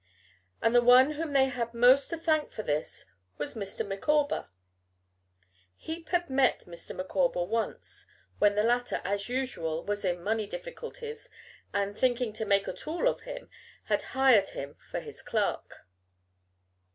And the one whom they had most to thank for this was Mr. Micawber. Heep had met Mr. Micawber once, when the latter, as usual, was in money difficulties, and, thinking to make a tool of him, had hired him for his clerk.